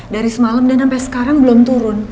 dari semalam dan sampai sekarang belum turun